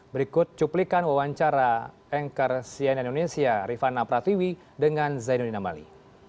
berikut cuplikan wawancara engkar siena indonesia rifat napratwiwi dengan zainulina mali